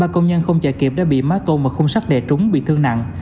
ba công nhân không chạy kịp đã bị mái tôn và khung sắt đẻ trúng bị thương nặng